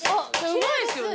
うまいですよね？